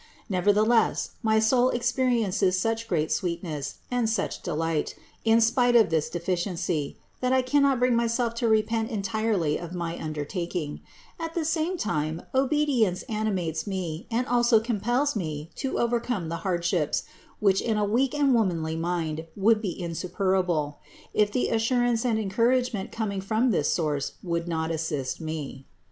Nevertheless my soul experiences such great sweetness and such delight in spite of this deficiency, that I cannot bring myself to repent entirely of my undertaking ; at the same time obedience animates me and also compels me to overcome the hardships, which in a weak and womanly mind would be insuper able, if the assurance and encouragement coming from this source would not assist me.